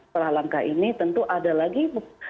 setelah langkah ini tentu ada lagi